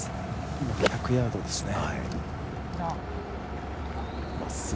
今、１００ヤードですね。